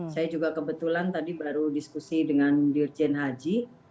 saya juga kebetulan tadi baru diskusi dengan dirjen haji